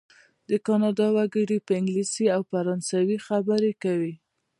د کانادا وګړي په انګلیسي او فرانسوي خبرې کوي.